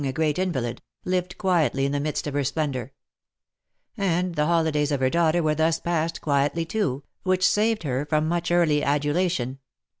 85 a great invalid, lived quietly in the midst of her splendour; and the holidays of her daughter were thus passed quietly too, which saved her from much early adulation.